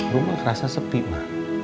rumah kerasa sepi ma